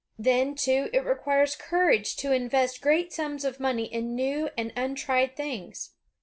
Then, too, it requires courage to invest great sums of money in new and untried things.